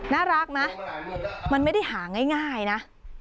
น่ารักนะมันไม่ได้หาง่ายนะ